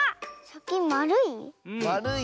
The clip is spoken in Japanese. さきまるい？